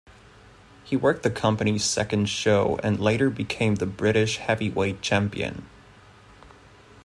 He worked the company's second show and later became the British Heavyweight Champion.